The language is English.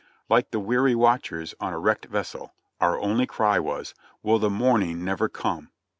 Like the weary watchers on a wrecked vessel, our only cry was, "Will the morning never come?"